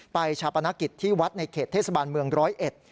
ชาปนกิจที่วัดในเขตเทศบาลเมืองร้อยเอ็ด